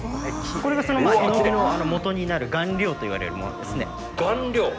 これが絵の具のもとになる、顔料といわれるものですね。